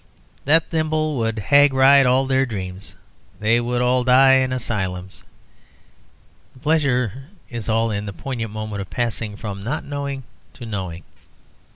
That thimble would hag ride all their dreams. They would all die in asylums. The pleasure is all in the poignant moment of passing from not knowing to knowing.